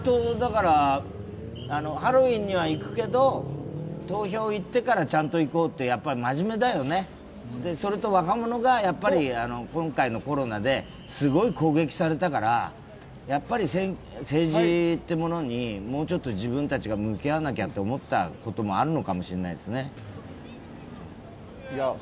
ハロウィーンには行くけど投票行ってからちゃんと行こうってやっぱり真面目だよね、それと若者が今回のコロナで、すごい攻撃されたからやっぱり政治ってものにもうちょっと自分たちが向き合わなきゃと思ったこともあるのかもしれないですね。